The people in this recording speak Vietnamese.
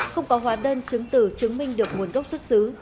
không có hóa đơn chứng tử chứng minh được nguồn gốc xuất xứ